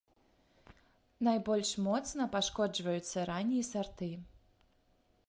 Найбольш моцна пашкоджваюцца раннія сарты.